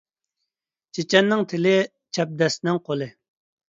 چېچەننىڭ تىلى ، چەبدەسنىڭ قولى